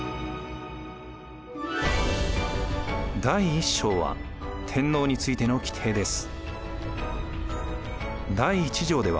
第一章は天皇についての規定です。